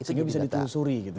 itu bisa ditungsuri gitu ya